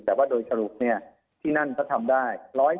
แต่ว่าโดยสรุปเนี่ยพี่นั่นจะทำได้